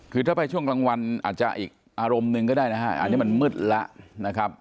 คือถ้าไปช่วงกลางวันอาจจะอีกอารมณ์หนึ่งก็ได้นะฮะอันนี้มันมืดแล้วนะครับ